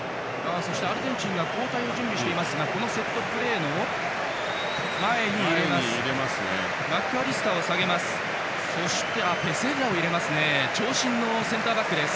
そしてアルゼンチンが交代を準備していますがこのセットプレーの前に入れます。